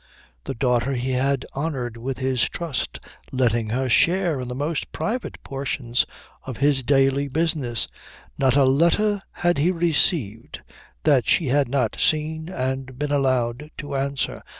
The daughter he had honoured with his trust, letting her share in the most private portions of his daily business. Not a letter had he received that she had not seen and been allowed to answer.